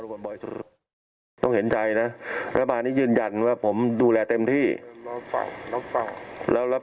บอกว่าเพื่อนลี้ชื่อภาพแถลงนี้อย่างงี้บ้างนะครับ